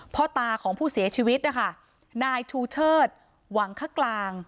พ่อตาของผู้เสียชีวิตนะคะนายชูเชิดหวังคกลาง